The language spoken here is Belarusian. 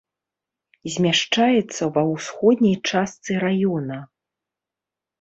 Змяшчаецца ва ўсходняй частцы раёна.